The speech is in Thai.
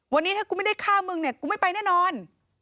วันนี้ถ้ากูไม่ได้ฆ่ามึงเนี่ยกูไม่ไปแน่นอน